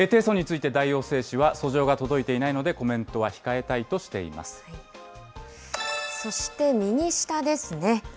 提訴について大王製紙は、訴状が届いていないのでコメントは控えそして右下ですね。